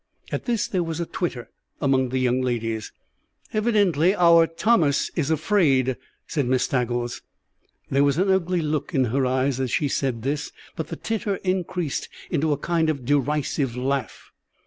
At this there was a titter among the young ladies. "Evidently our Thomas is afraid," said Miss Staggles. There was an ugly look in her eyes as she said this, but the titter increased into a kind of derisive laugh.